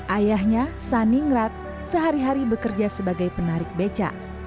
ayahnya saningrat sehari hari bekerja sebagai penarik beca